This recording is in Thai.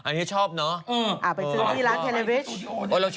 อ่าเอออันนี้ชอบเนอะอืมอ่าไปซื้อที่ร้านเทเลวิช